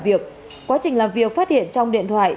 việc quá trình làm việc phát hiện trong điện thoại